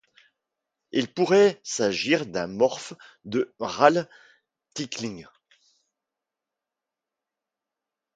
Il pourrait s'agir d'un morphe de Râle tiklin.